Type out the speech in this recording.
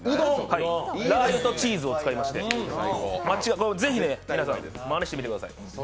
ラー油とチーズを使いまして、ぜひ皆さん、まねしてみてください。